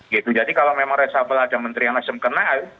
gitu jadi kalau memang resapel ada menteri yang nasdem kenal